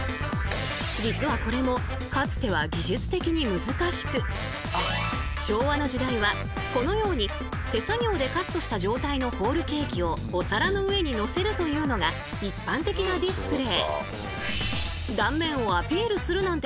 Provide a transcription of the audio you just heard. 実はこれも昭和の時代はこのように手作業でカットした状態のホールケーキをお皿の上にのせるというのが一般的なディスプレー。